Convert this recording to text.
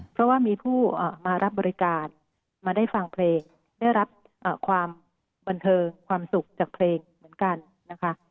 เพราะว่ามีผู้มารับบริการมาได้ฟังเพลงได้รับความบันเทิงความสุขจากเพลงเหมือนกันนะคะ